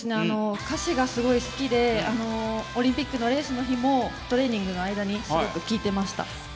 歌詞がすごく好きでオリンピックのレースの日もトレーニングの間に聴いていました。